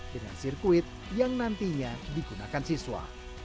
dengan sirkuit yang nantinya digunakan siswa